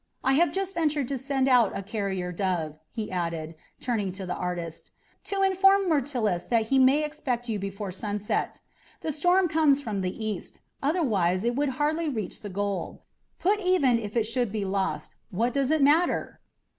I have just ventured to send out a carrier dove," he added, turning to the artist, "to inform Myrtilus that he may expect you before sunset. The storm comes from the cast, otherwise it would hardly reach the goal. Put even if it should be lost, what does it matter?"